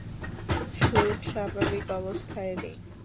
শুটু স্বাভাবিক অবস্থায় নেই।